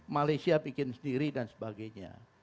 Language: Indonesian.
malaysia bikin sendiri dan sebagainya